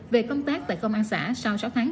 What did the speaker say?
về công tác tại công an xã sau sáu tháng